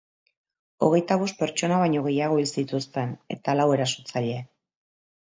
Hogeita bost pertsona baino gehiago hil zituzten eta lau erasotzaile.